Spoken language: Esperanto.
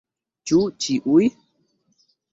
Ĉu ĉiuj?